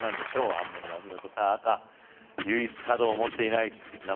アンモニアお見事さぁ赤唯一角を持っていない何番？